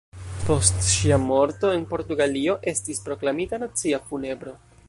Post ŝia morto en Portugalio estis proklamita nacia funebro.